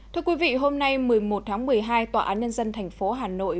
thưa quý vị hôm nay một mươi một tháng một mươi hai tòa án nhân dân thành phố hà nội